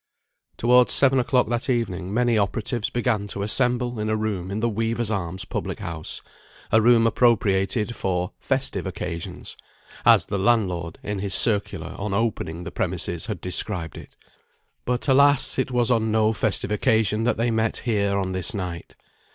Towards seven o'clock that evening many operatives began to assemble in a room in the Weavers' Arms public house, a room appropriated for "festive occasions," as the landlord, in his circular, on opening the premises, had described it. But, alas! it was on no festive occasion that they met there on this night.